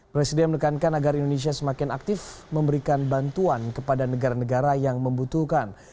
presiden menekankan agar indonesia semakin aktif memberikan bantuan kepada negara negara yang membutuhkan